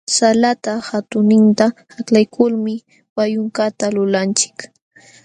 Salata hatunninta aklaykulmi wayunkata lulanchik.